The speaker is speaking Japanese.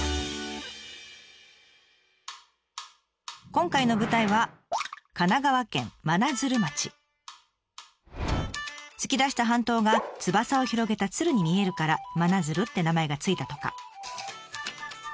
今回の舞台は突き出した半島が翼を広げた鶴に見えるから「真鶴」って名前が付いたとか。